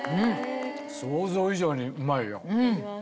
想像以上にうまいよ。